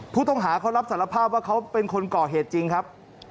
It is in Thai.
ผู้ต้องหาเขารับสารภาพว่าเขาเป็นคนก่อเหตุจริงครับ